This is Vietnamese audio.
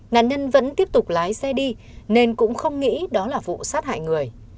nạn nhân vẫn tiếp tục lái xe đi nên cũng không nghĩ đó là vụ sát hại người